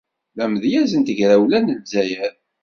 D amedyaz n tegrawla n Lezzayer.